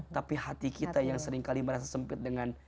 tapi hati kita yang seringkali merasa sempit dengan